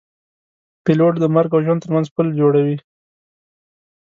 پیلوټ د مرګ او ژوند ترمنځ پل جوړوي.